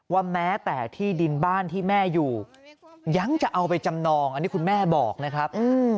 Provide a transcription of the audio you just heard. แม้แต่ที่ดินบ้านที่แม่อยู่ยังจะเอาไปจำนองอันนี้คุณแม่บอกนะครับ